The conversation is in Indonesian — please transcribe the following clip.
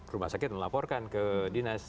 rumah sakit melaporkan ke dinas